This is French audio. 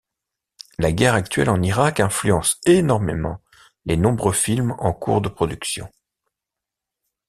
La guerre actuelle en Irak influence énormément les nombreux films en cours de production.